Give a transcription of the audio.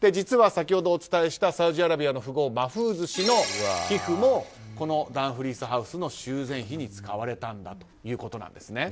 先ほどお伝えしたサウジアラビアの富豪マフーズ氏の寄付もこのダンフリース・ハウスの修繕費に使われたということです。